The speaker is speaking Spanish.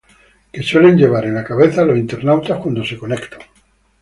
que suelen llevar en la cabeza los internautas cuando se conectan